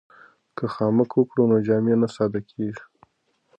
که خامک وکړو نو جامې نه ساده کیږي.